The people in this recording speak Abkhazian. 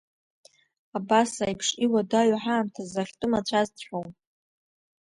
Абас аиԥш иуадаҩу ҳаамҭазы ахьтәы мацәазҵәҟьоу?